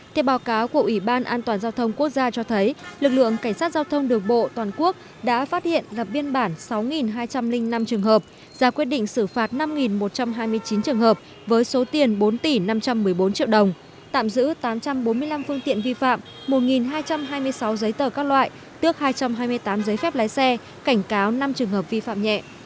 theo báo cáo của ủy ban an toàn giao thông quốc gia cho thấy lực lượng cảnh sát giao thông đường bộ toàn quốc đã phát hiện lập biên bản sáu hai trăm linh năm trường hợp ra quyết định xử phạt năm một trăm hai mươi chín trường hợp với số tiền bốn tỷ năm trăm một mươi bốn triệu đồng tạm giữ tám trăm bốn mươi năm phương tiện vi phạm một hai trăm hai mươi sáu giấy tờ các loại tước hai trăm hai mươi tám giấy phép lái xe cảnh cáo năm trường hợp vi phạm nhẹ